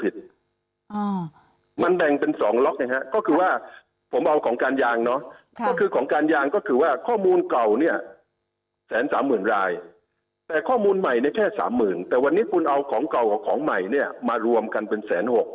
แต่วันนี้พวกเขาก็จะแบบ